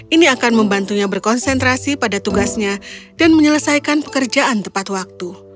ini akan membantunya berkonsentrasi pada tugasnya dan menyelesaikan pekerjaan tepat waktu